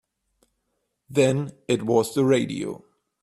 Then it was the radio.